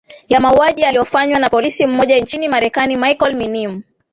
ya mauwaji yaliofanywa na polisi mmoja nchini marekani michael minim